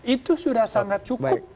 itu sudah cukup